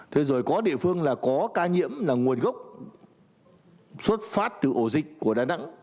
thế rồi có địa phương là có ca nhiễm là nguồn gốc xuất phát từ ổ dịch của đà nẵng